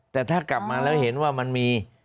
แต่ถ้ากลับมาแล้วเห็นว่ามันมี